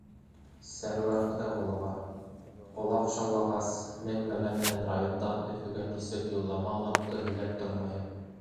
Сәрүәр ХОҘАЙҒОЛОВА: Ҡолаҡ шаулағас, мең бәлә менән райондан Өфөгә нисек юллама алғанымды һөйләп тормайым.